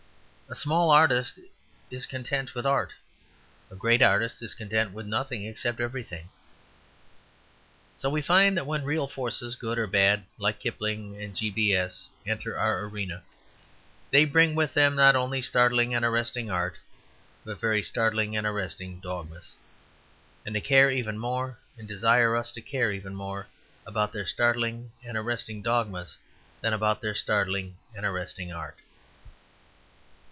A small artist is content with art; a great artist is content with nothing except everything. So we find that when real forces, good or bad, like Kipling and G. B. S., enter our arena, they bring with them not only startling and arresting art, but very startling and arresting dogmas. And they care even more, and desire us to care even more, about their startling and arresting dogmas than about their startling and arresting art.